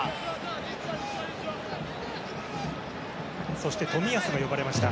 そして冨安が呼ばれました。